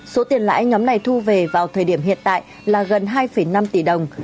số tiền lãi nhóm này thu về vào thời điểm hiện tại là gần hai năm tỷ đồng